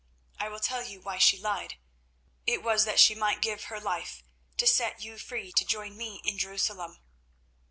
I will tell you why she lied. It was that she might give her life to set you free to join me in Jerusalem."